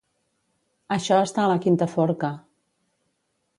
Això està a la quinta forca